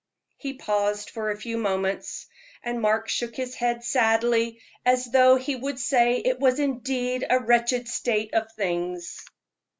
He paused for a few minutes, and Mark shook his head sadly, as though he would say it was indeed a wretched state of things.